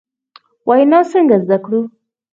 وینا څنګه زدکړو ؟